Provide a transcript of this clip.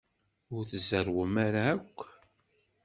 Ur tzerrwem ara akk?